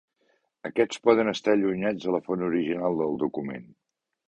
Aquests poden estar allunyats de la font original del document.